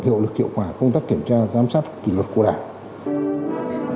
hiệu lực hiệu quả công tác kiểm tra giám sát kỷ luật của đảng